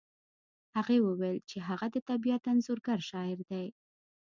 هغې وویل چې هغه د طبیعت انځورګر شاعر دی